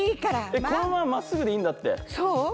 このまままっすぐでいいんだってそう？